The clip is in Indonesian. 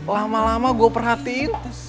lama lama gue perhatiin